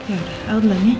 yaudah aku duluan ya